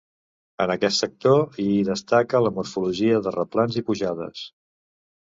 En aquest sector hi destaca la morfologia de replans i pujades.